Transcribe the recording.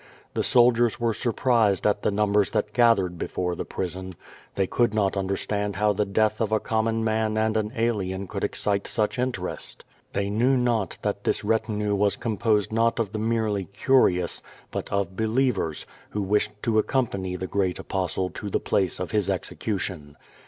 The soldiers were surprised at the numbers that gathered before the prison. They could not understand how the death of a common man and an alien could excite such interest. They knew not that this retinue was composed not of the merely curious, but of believers, who wished to accompany the great Apostle to the place of his execution.